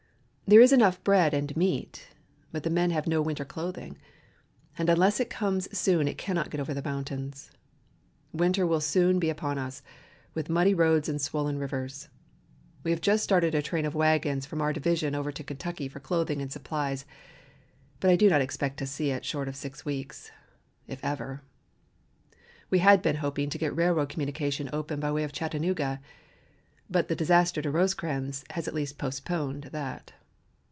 There is enough bread and meat, but the men have no winter clothing, and unless it comes soon it cannot get over the mountains. Winter will soon be upon us, with muddy roads and swollen rivers. We have just started a train of wagons from our division over to Kentucky for clothing and supplies, but I do not expect to see it short of six weeks, if ever. We had been hoping to get railroad communication open by way of Chattanooga, but the disaster to Rosecrans has at least postponed that.